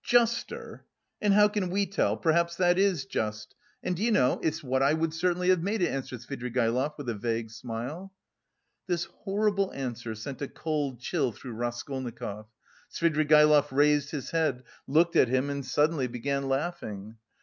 "Juster? And how can we tell, perhaps that is just, and do you know it's what I would certainly have made it," answered Svidrigaïlov, with a vague smile. This horrible answer sent a cold chill through Raskolnikov. Svidrigaïlov raised his head, looked at him, and suddenly began laughing.